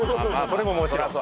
それももちろん。